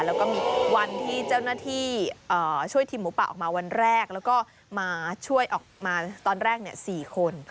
แล้วก็มีวันที่เจ้าหน้าที่ช่วยทีมหมูป่าออกมาวันแรกแล้วก็มาช่วยออกมาตอนแรก๔คน